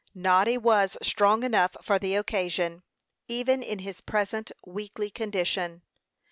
Noddy was strong enough for the occasion, even in his present weakly condition.